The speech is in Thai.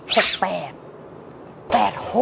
เศพ๘